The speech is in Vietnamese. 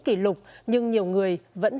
kỷ lục nhưng nhiều người vẫn